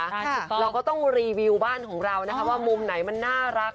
ถูกต้องเราก็ต้องรีวิวบ้านของเรานะคะว่ามุมไหนมันน่ารัก